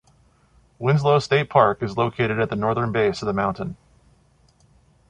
Winslow State Park is located at the northern base of the mountain.